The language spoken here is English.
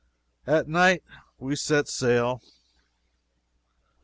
At night we set sail.